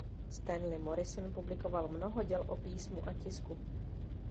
Stanley Morrison publikoval mnoho děl o písmu a tisku.